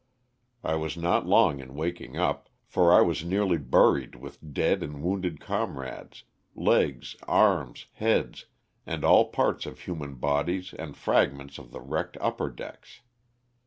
I was not long in waking up, for I was nearly buried with dead and wounded comrades, legs, arms, heads, and all parts of human bodies, and fragments of the wrecked upper decks.